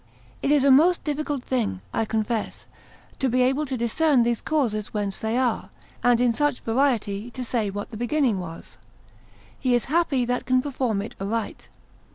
It is a most difficult thing (I confess) to be able to discern these causes whence they are, and in such variety to say what the beginning was. He is happy that can perform it aright.